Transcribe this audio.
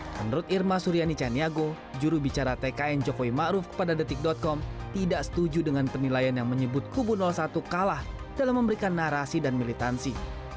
menurut irma suryani chaniago jurubicara tkn jokowi ⁇ maruf ⁇ kepada detik com tidak setuju dengan penilaian yang menyebut kubu satu kalah dalam memberikan narasi dan militansi